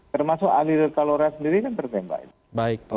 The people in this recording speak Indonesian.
termasuk andir kalora sendiri kan tertembak